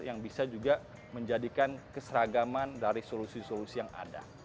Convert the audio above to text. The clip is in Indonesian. yang bisa juga menjadikan keseragaman dari solusi solusi yang ada